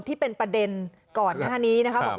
ที่เป็นประเด็นก่อนหน้านี้นะครับ